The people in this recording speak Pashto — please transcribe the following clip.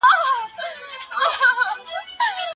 د نجلۍ هدفونه باید رد نه سي.